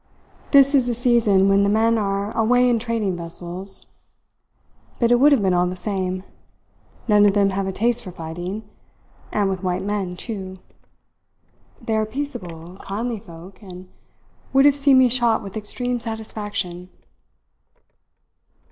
This is the season when the men are away in trading vessels. But it would have been all the same. None of them have a taste for fighting and with white men too! They are peaceable, kindly folk and would have seen me shot with extreme satisfaction.